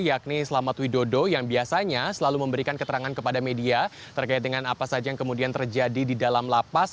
yakni selamat widodo yang biasanya selalu memberikan keterangan kepada media terkait dengan apa saja yang kemudian terjadi di dalam lapas